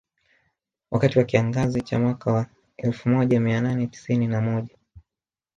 Wakati wa kiangazi cha mwaka wa elfu moja mia nane tisini na moja